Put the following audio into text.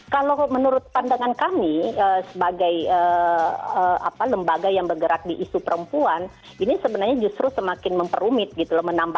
kalau menurut pandangan kami sebagai lembaga yang bergerak di isu perempuan ini sebenarnya justru semakin memperumit gitu loh